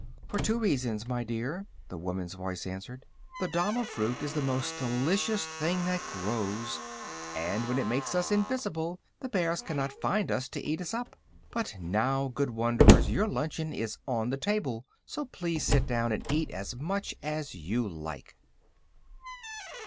"For two reasons, my dear," the woman's voice answered. "The dama fruit is the most delicious thing that grows, and when it makes us invisible the bears cannot find us to eat us up. But now, good wanderers, your luncheon is on the table, so please sit down and eat as much as you like."